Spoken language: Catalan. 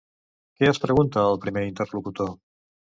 Què es pregunta el primer interlocutor?